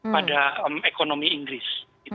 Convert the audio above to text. pada ekonomi inggris